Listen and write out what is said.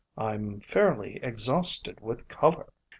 "I 'm fairly ex hausted with color."